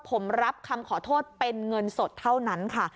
ผมรับคำขอโทษเป็นเงินสดเท่านั้นค่ะ